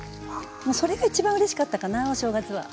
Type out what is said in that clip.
もうそれが一番うれしかったかなお正月は。